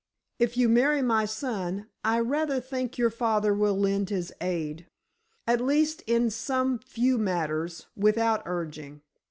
"If you marry my son, I rather think your father will lend his aid—at least in some few matters, without urging.